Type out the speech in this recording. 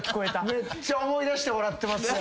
めっちゃ思い出して笑ってますもん。